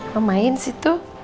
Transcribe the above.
mama main sih tuh